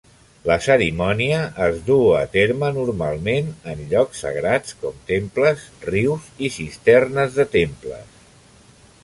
La cerimònia es duu a terme normalment en llocs sagrats com temples, rius i cisternes de temples.